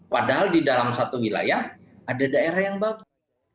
padahal di dalam satu wilayah ada daerah yang bagus